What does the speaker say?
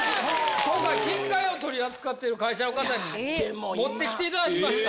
今回金塊を取り扱ってる会社の方に持って来て頂きました。